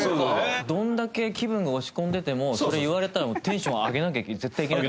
どれだけ気分が落ち込んでてもそれ言われたらもうテンション上げなきゃ絶対いけない。